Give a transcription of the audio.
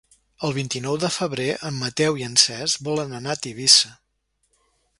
El vint-i-nou de febrer en Mateu i en Cesc volen anar a Tivissa.